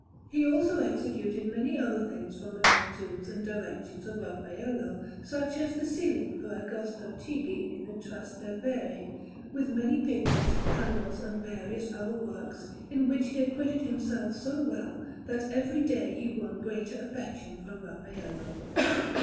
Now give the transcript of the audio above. He also executed many other things from the cartoons and directions of Raffaello, such as the ceiling for Agostino Chigi in the Trastevere, with many pictures, panels, and various other works, in which he acquitted himself so well, that every day he won greater affection from Raffaello.